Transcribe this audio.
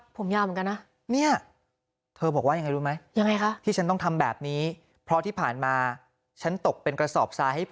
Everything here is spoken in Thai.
ผมยาวเหมือนกันนะ